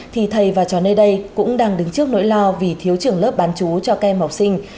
thì thầy và trò nơi đây cũng đang đứng trước nỗi lo vì thiếu trường lớp bán chú cho các em học sinh